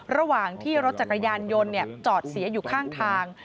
ระหว่างที่รถจักรยานยนต์จอดเสียอยู่ข้างทาง